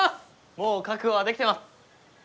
もう覚悟はできてます。